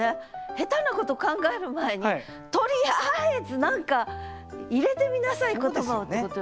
下手なこと考える前にとりあえず何か入れてみなさい言葉をってことよね。